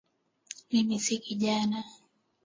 Mimi si kijana